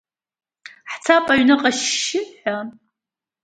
Ҳцап аҩныҟа ашьшьыҳәа.